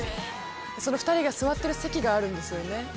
その２人が座ってる席があるんですよね